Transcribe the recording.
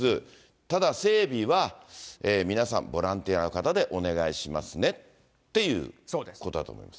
ただ整備は皆さん、ボランティアの方でお願いしますねっていうことだと思います。